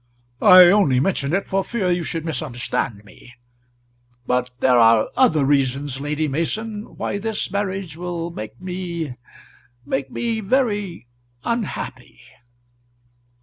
"I only mention it for fear you should misunderstand me. But there are other reasons, Lady Mason, why this marriage will make me make me very unhappy."